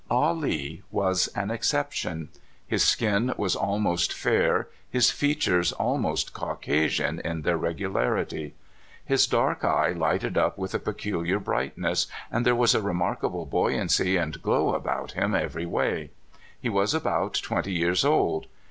Ah Lee was an exception. His skin was almost fair, his features almost Caucasian in their regu larity; his dark eye lighted up with a peculiar brightness, and there was a remarkable buoyancy and glow about him every way. He was about twenty years old.